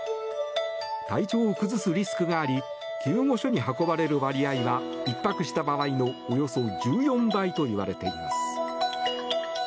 体調を崩すリスクがあり救護所に運ばれる割合は１泊した場合のおよそ１４倍といわれています。